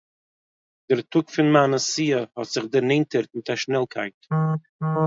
דער טאג פון מיין נסיעה האט זיך דערנענטערט מיט א שנעלקייט